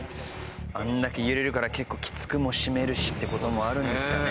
あんだけ揺れるから結構きつくも締めるしって事もあるんですかね。